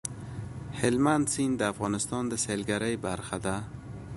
هلمند سیند د افغانستان د سیلګرۍ برخه ده.